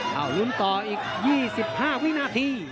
หลุมต่ออีก๒๕วินาที